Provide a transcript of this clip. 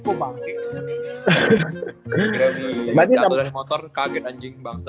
kira kira gue jatoh dari motor kaget anjing bangsa